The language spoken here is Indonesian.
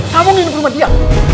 kamu nginep rumah dia